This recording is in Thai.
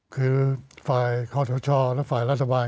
คือฝ่ายค้าวเฉพาะช่อและฝ่ายรัฐบาล